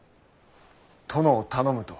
殿を頼むと。